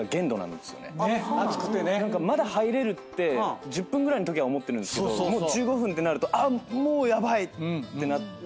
まだ入れるって１０分ぐらいのときは思ってるんですけど１５分ってなるとあっもうヤバい！ってなって。